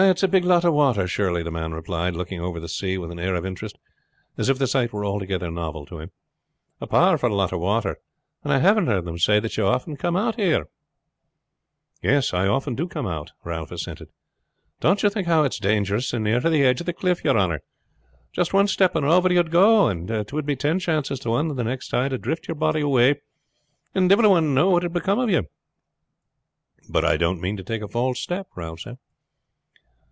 "It's a big lot of water, surely," the man replied, looking over the sea with an air of interest as if the sight were altogether novel to him. "A powerful lot of water. And I have heard them say that you often come out here?" "Yes, I often come out," Ralph assented. "Don't you think now it is dangerous so near the edge of the cliff, yer honor? Just one step and over you would go, and it would be ten chances to one that the next tide would drift your body away, and divil a one know what had become of you." "But I don't mean to take a false step," Ralph said.